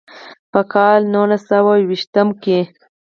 پۀ کال نولس سوه ويشتم کښې